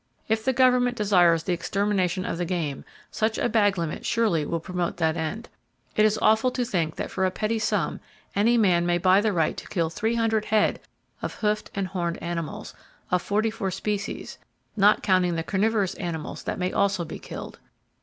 If the government desires the extermination of the game, such a bag limit surely will promote that end. It is awful to think that for a petty sum any man may buy the right to kill 300 head of hoofed and horned animals, of 44 species, not counting the carnivorous animals that also may be killed.